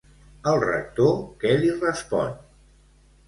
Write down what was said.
El rector què li respon?